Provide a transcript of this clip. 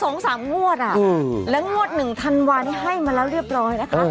๒๓งวดและงวด๑ธันวาลให้มาแล้วเรียบร้อยนะคะ